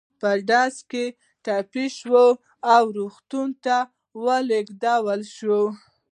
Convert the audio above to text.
په ډزو کې ټپي شو او روغتون ته ولېږدول شو.